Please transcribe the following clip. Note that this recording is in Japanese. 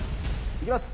行きます！